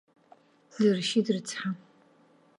Дыршьит, рыцҳа.